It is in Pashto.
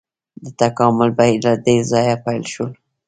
د تکامل بهیر له دې ځایه پیل شو.